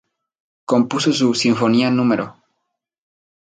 Compuso su "Sinfonía núm.